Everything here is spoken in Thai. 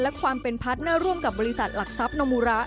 และความเป็นพาร์ทเนอร์ร่วมกับบริษัทหลักทรัพย์นมูระ